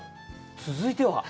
続いては？